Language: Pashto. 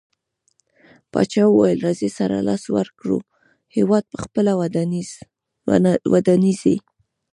پاچاه وويل: راځٸ سره لاس ورکړو هيواد په خپله ودانيږي.